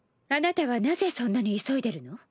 あなたはなぜそんなに急いでるの？